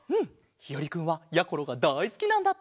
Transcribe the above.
ひよりくんはやころがだいすきなんだって！